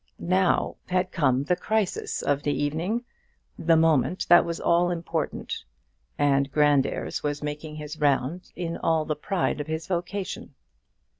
Now had come the crisis of the evening, the moment that was all important, and Grandairs was making his round in all the pride of his vocation.